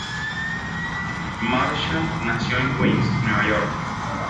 Marshall nació en Queens, Nueva York.